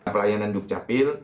pelayanan duk capil